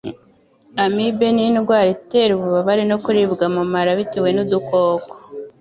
Amibe n' indwara itera ububabare no kuribwa mu mara bitewe n'udukoko